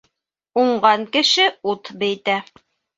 Уңған кеше ут бейетә.